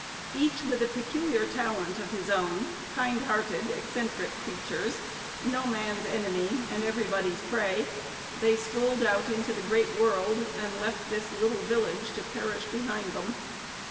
Each with a peculiar talent of his own, kind hearted, eccentric creatures, no man's enemy and everybody's prey, they strolled out into the great world, and left this little village to perish behind them.